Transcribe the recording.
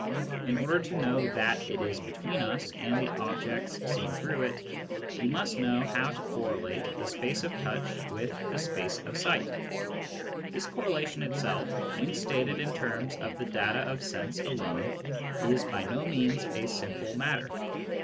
In order to know that it is between us and the objects seen through it, we must know how to correlate the space of touch with the space of sight. This correlation itself, when stated in terms of the data of sense alone, is by no means a simple matter.